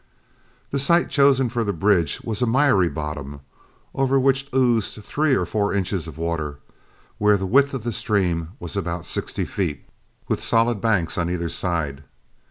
The site chosen for the bridge was a miry bottom over which oozed three or four inches of water, where the width of the stream was about sixty feet, with solid banks on either side.